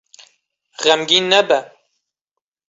Xemgîn nebe.